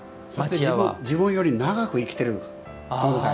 自分より長く生きてる存在。